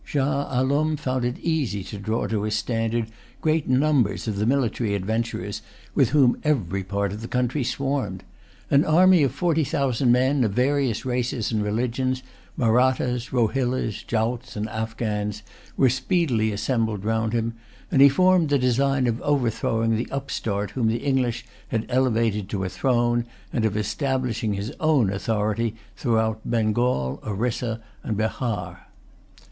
Shah Alum found it easy to draw to his standard great numbers of the military adventurers with whom every part of the country swarmed. An army of forty thousand men, of various races and religions, Mahrattas, Rohillas, Jauts, and Afghans, were speedily assembled round him; and he formed the design of overthrowing the upstart whom the English had elevated to a throne, and of establishing his own authority throughout Bengal, Orissa, and Bahar.